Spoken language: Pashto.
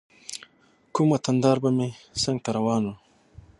کوم وطن دار به مې څنګ ته روان و.